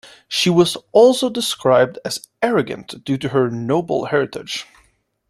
She was also described as arrogant due to her noble heritage.